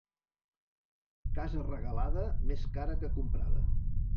Casa regalada, més cara que comprada.